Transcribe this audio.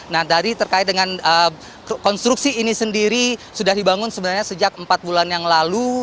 nah dari terkait dengan konstruksi ini sendiri sudah dibangun sebenarnya sejak empat bulan yang lalu